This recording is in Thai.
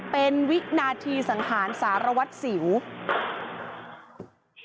เป็นวินาทีสังหารสารวัตรสิว